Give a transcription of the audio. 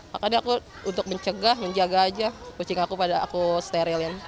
makanya aku untuk mencegah menjaga aja kucing aku pada aku sterilin